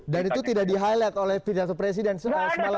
dan itu tidak di highlight oleh pidato presiden semalam ya bang uksan ya